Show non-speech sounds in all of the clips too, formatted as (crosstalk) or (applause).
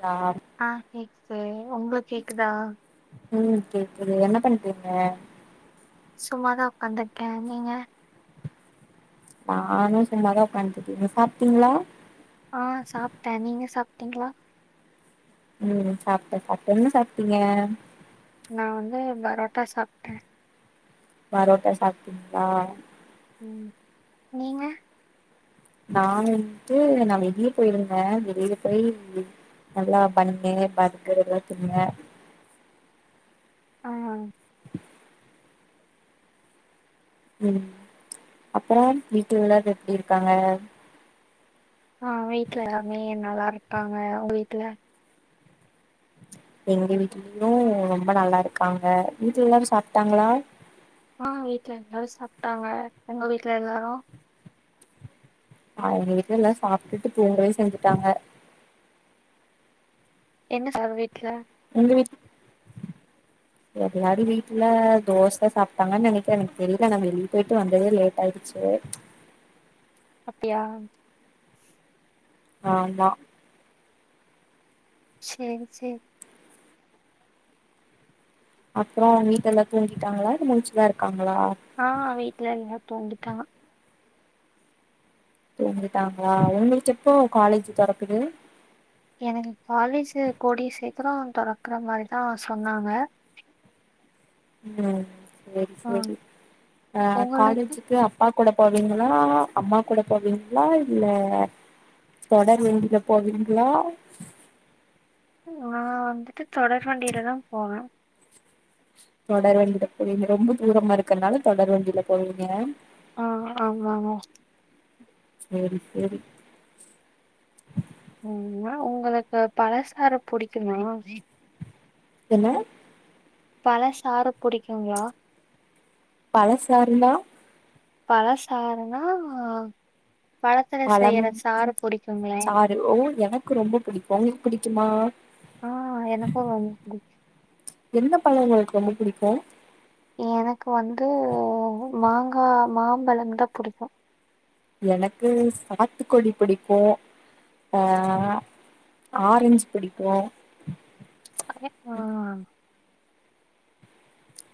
Sorry ஆ கேக்து உங்க கேக்குதா ம் கேக்குது என்ன பண்ட் றீங்க சும்மாதா ஒக்காந்ருக்க நீங்க நானு சும்மாதா உக்காண்ட்ருக்க நீங்க சாப்ட்டீங்ளா ஆ சாப்ட்ட நீங்க சாப்ட்டீங்ளா ம் சாப்ட்ட சாப்ட்ட என்ன சாப்ட்டீங்க நா வந்து பரோட்டா சாப்ட்ட பரோட்டா சாப்டீங்ளா ம் நீங்க நா வந்ட்டு நா வெளிய போயிருந்த வெளில போயி நல்லா பன்னு பா்கர் எல்லா துன்னிங்க ஆ ம் அப்ற வீட்ல எல்லாரு எப்டி இருக்காங்க ஆ வீட்ல எல்லாமே நல்லாருக்காங்க உங்க வீட்ல எங்க வீட்லயு ரொம்ப நல்லாருக்காங்க வீட்ல எல்லாரு சாப்ட்டாங்களா ஆ வீட்ல எல்லாரு சாப்ட்டாங்க உங்க வீட்ல எல்லாரு அவுங்க வீட்ல எல்லா சாப்ட்டுட்டு தூங்கவே செஞ்சுட்டாங்க என்ன சார் வீட்ல உங்க வீட் எல்லாரு வீட்ல தோச சாப்ட்டாங்கன் நெனக்கிற எனக்கு தெரில நா வெளிய போய்ட்டு வந்ததே லேட் ஆயிருச் செர் அப்டியா ஆமா செரி செரி அப்றம் உங்க வீட்ல எல்லா தூங்கிட்டாங்களா இல்ல முழுச்சுதா இருக்காங்களா ஆ வீட்ல எல்லா தூங்கிட்டாங்க தூங்கிட்டாங்ளா உங்களுக்கு எப்போ காலேஜ் தெறக்குது எனக்கு காலேஜு கூடிய சீக்கிர தொறக்குற மாரி தா சொன்னாங்க ம் செரி ஆ செரி ஆ உங்களுக்கு காலேஜுக்கு அப் பா கூட போவீங்களா அம்மா கூட போவீங்களா இல்ல தொடர் வண்டில போவீங்ளா நா வந்துட்டு தொடர் வண்டியில தா போவே தொடர் வண்டில போவீங்க ரொம்ப தூரமா இருக்கறனால தொடர் வண்டில போவீங்க ஆ ஆமாங்க செரி செரி ம்மா உங்களுக்கு பழசாறு புடிக்குமா என்ன பழ சாறு புடிக்குங்களா பழ சாருநா பழ சாறுன்னா பழத்துல பழம் செயிற சாறு புடிக்குங்களே சாறு ஓ எனக்கு ரொம்போ புடிக்கு உங்குளுக்கு புடிக்குமா ஆ எனக்கு வந்துச்சு எந்த பழோ உங்களுக்கு ரொம்போ புடிக்கு எனக்கு வந்து மாங்கா மாம்பழம் தா புடிக்கு எனக்கு சாத்துக்குடி புடிக்கு ஆ ஆரஞ்ச் பிடிக்கு (unintelligible)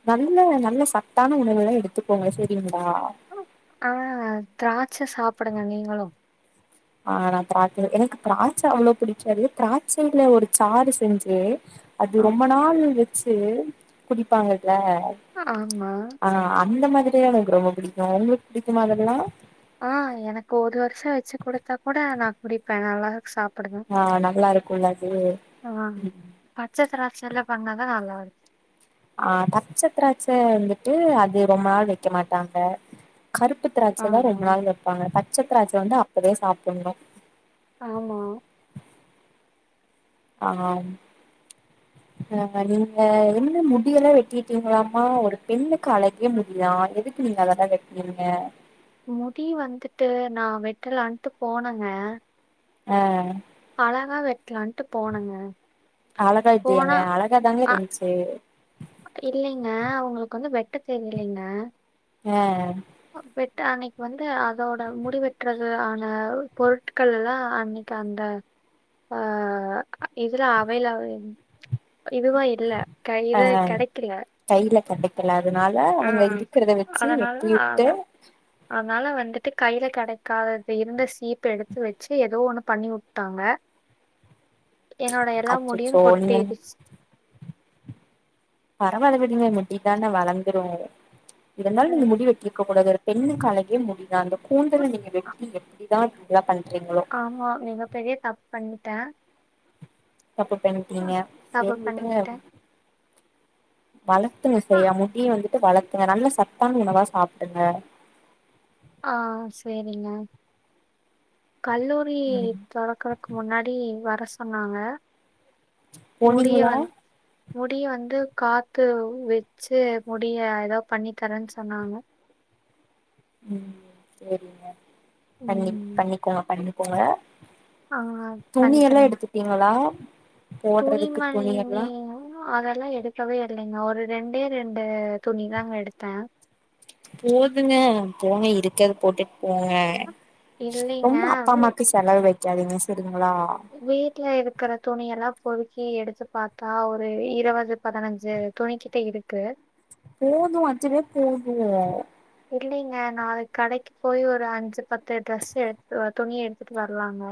நல்ல நல்ல சத்தான உணவெல்லா எடுத்துக்கோங்க சரிங்களா ஆ திராட்ச சாப்பிடுங்க நீங்களு ஆ நா திராட்ச எனக்கு திராட்ச அவ்வளோ புடிக்காது திராட்சயில ஒரு சாறு செஞ்சு அது ம். ரொம்ப நாள் வெச்சு குடிப்பாங்கல ஆமா ஆ அந்த மாதிரி எனக்கு ரொம்ப புடிக்கு உங்களுக்கு புடிக்குமா அதெல்லா ஆ எனக்கு ஒரு வருஷோ வெச்சு குடுத்தா கூட நா குடிப்பே நல்லா சாப் ஆ நல்லா இருக்கு இல்ல தோழி ஆ. ம் பச்ச திராட்சயில பண்ணாதா நல்லா இருக்கு ஆ பச்ச திராட்சை வந்துட்டு அது ரொம்ப நாள் வைக்க மாட்டாங்க கருப்பு திராட்ச தா ஆ. ரொம்ப நாள் வெப்பாங்க பச்ச திராட்ச வந்து அப்பவே சாப்பிடணு ஆமா ஆமா ஆ நீங்க என்ன முடி எல்லா வெட்டிட்டீங்களாமா ஒரு பெண்ணுக்கு அழகே முடிதா எதுக்கு எதுக்கு நீங்க அதெல்லா வெட்டு நீங்க முடி வந்துட்டு நா வெட்டலாண்டு போனங்க ஆ அழகா வெட்டலான்ட்டு போனங்க அழகா இல்லையாங்க அழகாதாங்க அ இருந்துச்சு இல்லைங்க அவங்களுக்கு வந்து வெட்ட தெரியலைங்க ஆ வெட் அன்னைக்கு வந்து அதோட முடிவெற்றது ஆன பொருட் பொருட்கள் எல்லா அன்னைக்கு அந்த ஆ இதுலா அவையல் ஆ இருந்து இதுவ இல்ல கைல கையில கடைக்கில அதனால ஆ. அவங்க இருக்கிறத வச்சு அதனால வெட்டி அத விட்டு அதனால வந்துட்டு கையில் கெடைக்காதது இருந்த சீப் எடுத்து வெச்சு ஏதோ ஒன்னு பண்ணி உட்டாங்க என்னோட எல்லா முடியு அச்சச்சோ நீங்க கொட்டிடுச்சு பரவால விடுங்க முடி தானே வளர்ந்துரு இருந்தாலு நீங்க முடி வெட்டிருக்க கூடாது பெண்ணுக்கு அழகே முடிதா அந்த கூந்தல நீங்க வெட்டி எப்டி தா எல்லா பண்றீங்களோ ஆமா நீங்க பெரிய தப்பண்ட்டே தப்பு பண்ணிட்டீங்க தப்பு சரி விடுங்க பண்ணிட்டேன். வளத்துங்க சரியா முடிய வந்துட்டு வளர்த்துங்க நல்ல சத்தான உணவா சாப்டுங்க ஆ சேரிங்க கல்லூரி ம் தொடக்கர க்கு முன்னாடி வர சொன்னாங்க முடிய போனீங்களா வந் முடிய வந்து காத்து வெச்சு முடிய எதோ பண்ணி தரேன் சொன்னாங்க ம் சேரிங்க பண்ணி ம். பண்ணிக்கோங்க பண்ணிக்கோங்க ஆ துணி எல்லா பண்ணிக்கிறேங்க. எடுத்துப்பீங்களா போடுறதுக்கு துணி எல்லா அதல்லா எடுக்கவே இல்லைங்க ஒரு ரெண்டே ரெண்டு துணி தாங்க எடுத்தே போதுங்க போங்க இருக்கத போட்டுட்டு போங்க இல்லைங்க ரொம்ப அப்பா வீ அம்மாக்கு செலவு வெக்காதீங்க சரிங்களா வீட்டுல இருக்கற துணி எல்லா பொருக்கி எடுத்து பாத்தா ஒரு இருவது பதினஞ்சு துணிக்கிட்ட இருக்கு போது அஞ்சுவே போது இல்லைங்க நாளைக் கடைக்கு போய் ஒரு அஞ்சு பத்து ட்ரெஸ் எடுத்து வ துணி எடுத்துட்டு வரலாங்க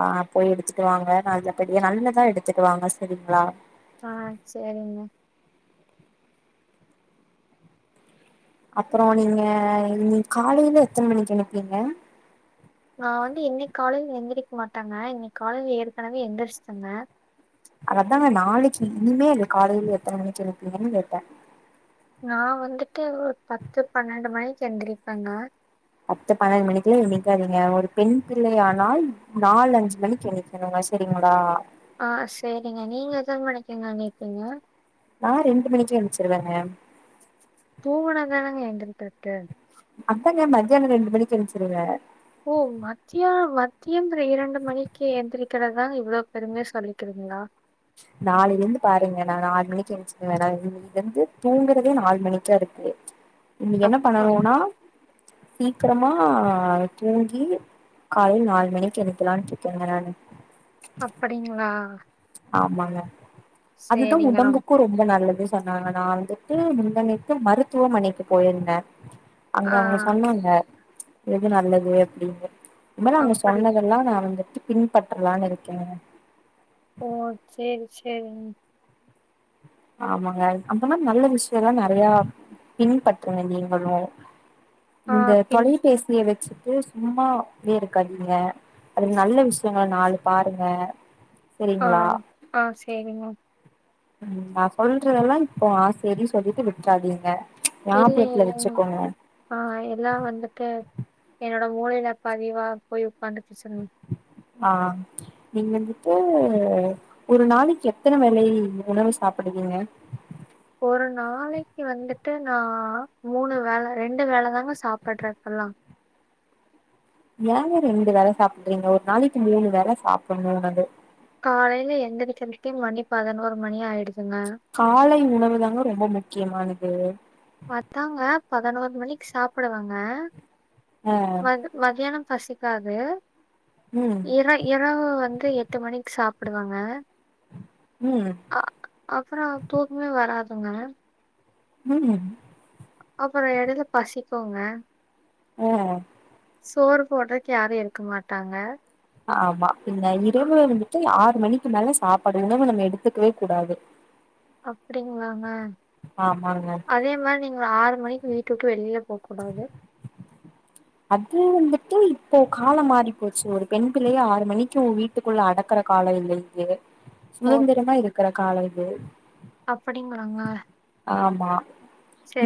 ஆ போய் எடுத்துட்டு வாங்க நல்ல படியா நல்லதா எடுத்துட்டு வாங்க சரிங்களா ஆ சேரிங்க அப்றோ நீங்க இன்னிக் காலையில எத்தன் மணிக்கு எழுப்வீங்க நா வந்து இன்னிக் காலைல எந்திரிக் மாட்டாங்க இன்னிக் காலைல ஏற்கனவே எந்திரிச்டாங்க அததா நாளைக்கி இனிமேல் காலைல எத்தன மணிக்கு எழுப்பீங்கன் கேட்டே நா வந்துட்டு ஒரு பத்து பண்ணெண்டு மணிக்கு எந்திரிப்பேங்க பத்து பண்ணெண் மணிக்குலா எந்திரிகாதீங்க ஒரு பெண் பிள்ளை ஆனால் நால் அஞ்சு மணிக்கு எந்திரி கனுங்க செரிங்களா ஆ சேரிங்க நீங்க எத்தன மணிக்குங்க எந்தீப்பீங்க நா ரெண்டு மணிக்கு எஞ்சிருவேன்க தூங்கனாதானங்க எந்திகிறதுக்கு அத்தாங்க மத்தியானம் ரெண்டு மணிக்கு எஞ்சிருவ ஓ மத்திய மத்தியம் இரண்டு மணிக்கு எந்திரிக்கிறதா இவ்ளோ பெருமையா சொல்லிக்கிறிங்களா நாளையில இருந்து பாருங்க நா நாலுமணிக்கு எஞ்ச் ருவ இன்னையில இருந்து தூங்குறதே நாலு மணிக்கா இருக்கு இன்னிக்கு என்ன அப்ப பண்ணணுன்னா சீக்கிரமா தூங்கி காலைல நாலு மணிக்கு எழுப்பலான்ட்ருக்கேங்க நானு அப்படிங்ளா ஆமாங்க அதுதா சரிங்க. ரொம் உடம்புக்கு ரொ ம்ப நல்லதுன் சொன்னாங்க நா வந்துட்டு முந்தானேத்து மருத்துவமனைக்கு போயிருந்தே அங்க ஆ அவங்க சொன்னாங்க எது நல்லது அப்டின்னு இனிமேல் அவங்க அப்படி சொன்னதெல்லா நா வந்துட்டு பின்பற்றலான் இருக்கேங்க ஓ சேர் சேரிங் ஆமாங்க அப்பனா நல்ல விஷயோலா நெறையா பின்பற்றுங்க நீங்களு ஆ இந்த பின் தொலைபேசிய வெச்சுட்டு சும்மா அப்டியே இருக்காதீங்க அதுலா நல்ல விஷயங்கல நாலு பாருங்க ஆ சரிங்களா ஆ சேரிங்க ம் நா சொல்றதெல்லா இப்போ செரி சொல்லிட்டு விட்றாதீங்க இல்லையே ஞாபகத்துல ஏ மா வச்சுக்கோங்க ஆ எல்லா வந்துட்டு என்னோட மூளைல பதிவா போய் உக்காந்துகிச்சுங்க ஆ நீங் வந்துட்டு ஒரு நாளைக்கு எத்தன வேலை உணவு சாப்புடுவீங்க ஒரு நாளைக்கு வந்துட்டு நா மூனு வேல ரெண்டு வேல தாங்க சாப்புட்றே இப்பல்லா ஏங்க ரெண்டு வேல சாப்பிட்றீங்க ஒரு நாளக்கி மூனு வேல சாப்புனு உணவு காலைல எந்திரக்ற்க்கே மணி பதனொரு மணி ஆய்டுதுங்க காலை உணவு தாங்க ரொம்ப முக்கியமானது அதாங்க பதனொரு மணிக்கு சாப்டுவேங்க ம மதியானோ பசிக்காது ம் இரை இரவு வந்து எட்டு மணிக்கு சாப்டுவங்க ம் அ அப்றோ தூக்மே வராதுங்க ம் அப்றோ எடைல பசிக்குங்க ஆ சோறு போட்றக்கி யாரு இருக்க மாட்டாங்க ஆமா பின்ன ஆ இரவுல வந்துட்டு ஆறு மணிக்கு மேல சாப்பாடு உணவு நம்ம எடுத்துக்வே கூடாது அப்டிங்ளாங்க ஆமாங்க அதே மாரி நீங்க ஒரு ஆறு மணிக்கு வீட்ட வுட்டு வெளில போகூடாது அது வந்துட்டு இப்போ காலோ மாறி போச்சு ஒரு பெண் பிள்ளைய ஆறு மணிக்கு உ வீ ட்டுக்குள்ள அடக்கற காலோ இல்ல இது ஓ! சுதந்திரமா இருக்ற காலோ இது அப்டிங்ளாங்க ஆமா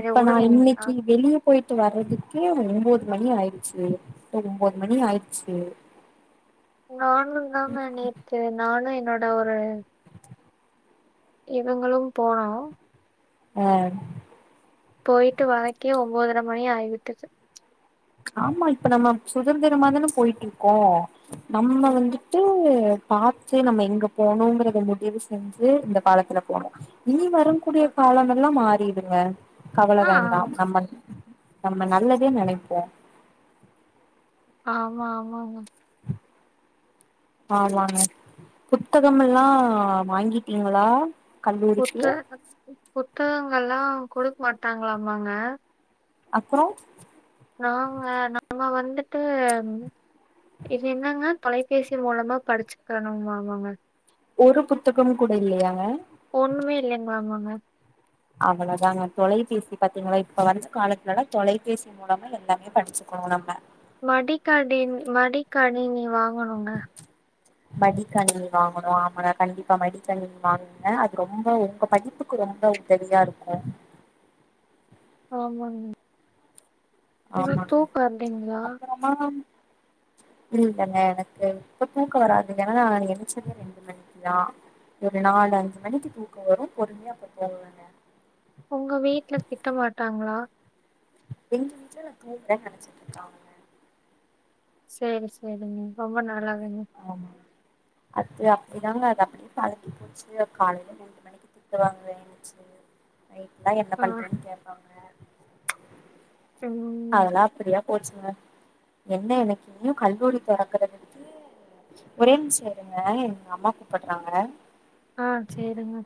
இப்ப நா உடுங்க இன்னக்கி வெளிய போய்ட்டு வர்றதுக்கே ஒம்பொது மணி ஆய்ருச்சு ஒம்பொது மணி ஆய்ருச்சு நானு தாங்க நேத்து நானு என்னோட ஒரு இவுங்களும் போனோ யாரு போய்ட்டு வர்றக்கே ஒம்பொதர மணி ஆய்விட்டது ஆமா இப்ப நம்ம சுதந்திரமா தான போய்ட்ருக்கோ நம்ம வந் உம், து பாத்து நம்ம எங்க போனுங்கறத முடிவு செஞ்சு இந்த காலத்துல போனு இனி வரும் ஆ கூடிய காலமெல்லா மாறிடுங்க கவல ஆ, வேண்டா நம்ம நம்மன நல்லதே நெனைப்போ ஆமா ஆமாங்க ஆமாங்க புத்தகம் எல்லா வாங்கிட்டீங்களா கல்லூரிக்கு புத்தகங்கள் புத்தகங்கள்லா குடுக்க மாட்டாங்களாமாங்க அப்றோ நாங்க நம்ம வந்துட்டு இது என்னங்க தொலைபேசி மூலமா படிச்சுக்கனும்மாமாங்க ஒரு புத்தகம் கூட இல்லையாங்க ஒண்ணுமே இல்லைங்லாமாங்க அவ்ளதாங்க தொலைபேசி பாத்தீங்களா இப்ப வந்த காலத்துலலா தொலைபேசி மூலமா எல்லாமே படிச்சுக்குவோ நம்ம மடிக்கடின் மடிக்கணினி வாங்கனுங்க மடிக்கணினி வாங்கனு ஆமால கண்டிப்பா மடிக்கணினி வாங் அ அது ரொம்ப உங்க படிப்புக்கு ரொம்ப உதவியா இருக்கு ஆமா ம் உங்களுக்கு தூக்க வரலீங்களா மாம் இல்லலங்க எனக்கு இப்ப தூக்க வராது ஏனா நா ஏஞ்சதே ரெண்டு மணி (inaudible) ஒரு நாலு அஞ்சு மணிக்கு தூக்கவரு பொறுமையாப்ப போகவேங்க உங்க வீட்ல திட்ட மாட்டாங்களா எங்க வீட்ல நா தூங்குறேன்னு நினைச்சிட்டு இருக்காங்க சேரி சேரிங்க ரொம்ப நல்லாருக் ஆமா அது அப்டிதாங்க அது அப்டி பழகி போச்சுங்க காலையில (inaudible) நைட்லா என்ன ஆ, பண்றேன்னு கேட்பாங்க ம். அதலா அப்டியா போச்சுங்க என்ன எனக்கு இன்னு கல்லூரி தெறக்கலங்க ஒரே நிம்ஷ இருங்க எங்க அம்மா கூப்பறாங்க ஆ சேரிங்க